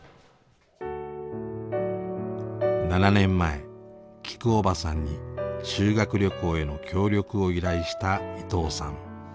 ７年前きくおばさんに修学旅行への協力を依頼した伊藤さん。